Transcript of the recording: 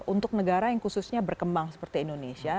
untuk negara yang khususnya berkembang seperti indonesia